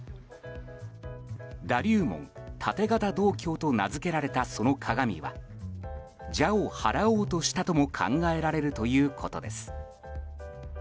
だ龍文盾形銅鏡と名付けられたその鏡は邪を払おうとしたとも考えられるということです。